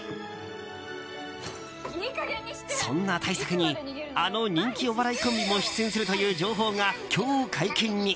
そんな大作にあの人気お笑いコンビも出演するという情報が今日解禁に。